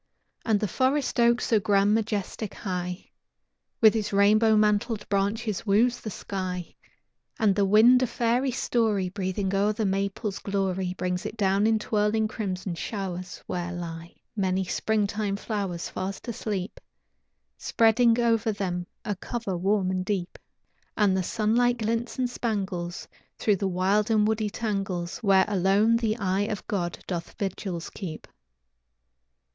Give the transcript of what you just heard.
And the forest oak, so grand, majestic, high, With his rainbow mantled branches woos the sky, And the wind a fairy story Breathing o'er the maple's glory, Brings it down in twirling crimson showers, where lie Many springtime flowers, fast asleep, Spreading over them a cover warm and deep; And the sunlight glints and spangles Through the wild and woody tangles, Where alone the eye of God doth vigils keep.